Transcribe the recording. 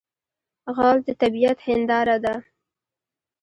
غول د طبعیت هنداره ده.